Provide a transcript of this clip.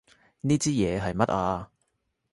呢支嘢係乜啊？